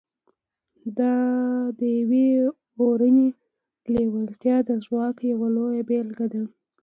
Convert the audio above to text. دا د يوې اورنۍ لېوالتیا د ځواک يوه لويه بېلګه ده.